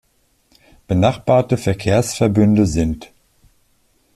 Benachbarte Verkehrsverbünde sind